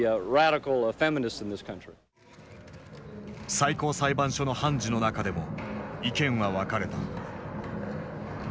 最高裁判所の判事の中でも意見は分かれた。